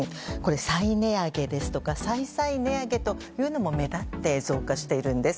再値上げですとか再々値上げも目立って増加しているんです。